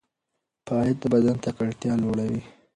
فعالیت د بدن تکړتیا لوړوي.